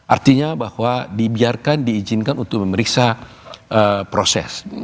artinya bahwa dibiarkan diizinkan untuk memeriksa proses